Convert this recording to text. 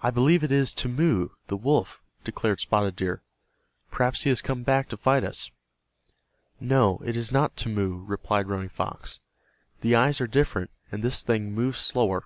"I believe it is Timmeu, the wolf," declared Spotted Deer. "Perhaps he has come back to fight us." "No, it is not Timmeu," replied Running Fox. "The eyes are different, and this thing moves slower."